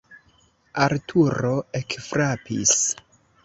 Arturo ekfrapis.